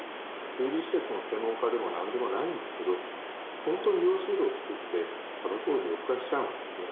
水利施設の専門家でもなんでもないんですけど本当に用水路を作って砂漠を緑化しちゃうんですね。